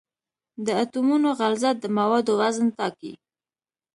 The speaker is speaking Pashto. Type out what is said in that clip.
د اټومونو غلظت د موادو وزن ټاکي.